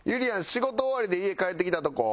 仕事終わりで家帰ってきたとこ？